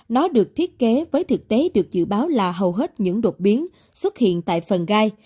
nó được thiết kế với thực tế được dự báo là hầu hết những đột biến xuất hiện tại phần gai